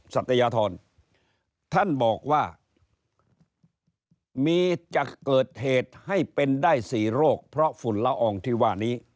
สัตยธรท่านบอกว่ามีจะเกิดเหตุให้เป็นได้๔โรคเพราะฝุ่นละอองที่ว่านี้